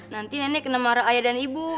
nanti nenek kena marah ayah dan ibu